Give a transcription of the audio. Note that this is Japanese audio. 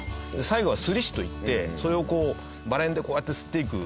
最後は摺師といってそれをこうバレンでこうやって摺っていく。